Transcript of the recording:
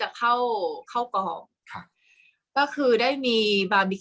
กากตัวทำอะไรบ้างอยู่ตรงนี้คนเดียว